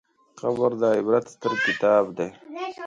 قبر د عبرت ستر کتاب دی.